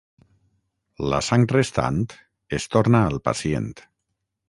La sang restant es torna al pacient.